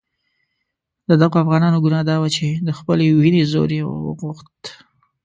د دغو افغانانو ګناه دا وه چې د خپلې وینې زور یې غوښت.